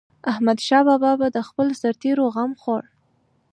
احمدشاه بابا به د خپلو سرتيرو غم خوړ.